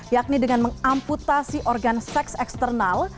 yakni dengan mengamputasi organ seks eksternal